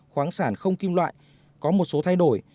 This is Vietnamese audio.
khoáng sản không kim loại có một số thay đổi